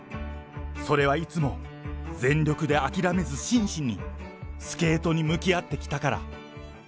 それはいつも、全力で諦めず、真摯にスケートに向き合ってきたから。